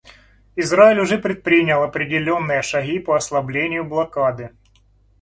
Израиль уже предпринял определенные шаги по ослаблению блокады.